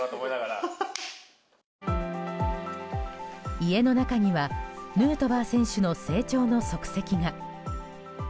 家の中にはヌートバー選手の成長の足跡が。